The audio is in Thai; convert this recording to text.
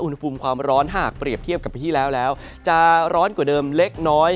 อุณหภูมิความร้อนหากเปรียบเทียบกับปีที่แล้วแล้วจะร้อนกว่าเดิมเล็กน้อย